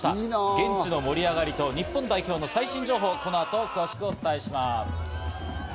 現地の盛り上がりと日本代表の最新情報をこの後詳しくお伝えします。